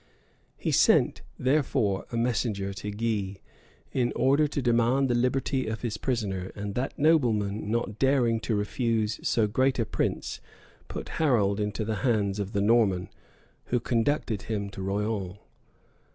He sent, therefore, a messenger to Guy, in order to demand the liberty of his prisoner; and that nobleman, not daring to refuse so great a prince, put Harold into the hands of the Norman, who conducted him to Rouen.